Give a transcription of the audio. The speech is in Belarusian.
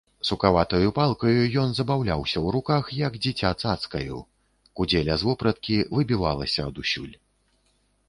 Сукаватаю палкаю ён забаўляўся ў руках, як дзіця цацкаю, кудзеля з вопраткі выбівалася адусюль.